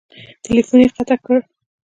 ټیلیفون یې قطع کړ !